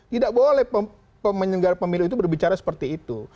tidak boleh penyelenggara pemilu itu berbicara seperti itu